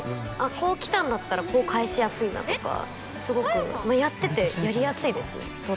こう来たんだったらこう返しやすいなとかすごくやっててやりやすいですね